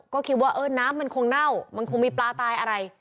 ก็คิดว่าเออน้ำมันคงเน่ามันคงมีปลาตายอะไร